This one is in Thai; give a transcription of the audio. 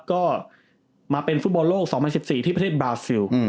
ก็มาเป็นฟุตบอลโลก๒๐๑๔ที่ประเทศบราซิล